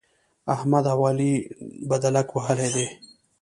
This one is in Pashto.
احمد او علي بدلک وهلی دی.